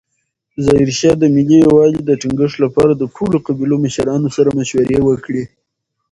ظاهرشاه د ملي یووالي د ټینګښت لپاره د ټولو قبیلو مشرانو سره مشورې وکړې.